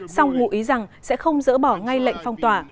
song ngụ ý rằng sẽ không dỡ bỏ ngay lệnh phong tỏa